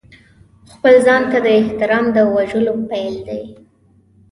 خپل ځان ته د احترام د وژلو پیل دی.